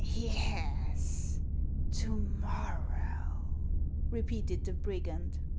" Yes, to morrow," repeated the brigand.